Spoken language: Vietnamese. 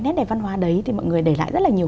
nét đẹp văn hóa đấy thì mọi người để lại rất là nhiều